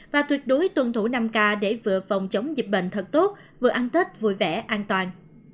và tuyệt đối tuân thủ năm k để vừa phòng chống dịch bệnh thật tốt vừa ăn tết vui vẻ an toàn